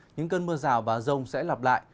những cơn mưa rào và rông sẽ lặp lại